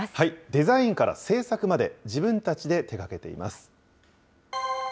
デザインから製作まで、自分たちで手がけています。